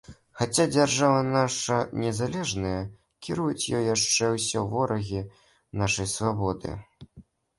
Хаця дзяржава наша незалежная, кіруюць ёю яшчэ ўсё ворагі нашай свабоды.